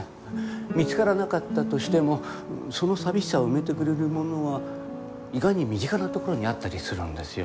見つからなかったとしてもその寂しさを埋めてくれるものは意外に身近なところにあったりするんですよ。